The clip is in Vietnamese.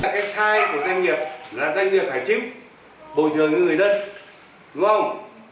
cái sai của doanh nghiệp là doanh nghiệp phải chức bồi thường với người dân đúng không